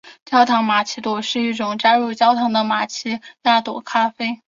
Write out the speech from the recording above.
焦糖玛琪雅朵是一种加入焦糖的玛琪雅朵咖啡。